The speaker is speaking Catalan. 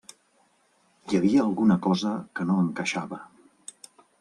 Hi havia alguna cosa que no encaixava.